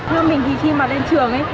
nhưng mình thì khi mà lên trường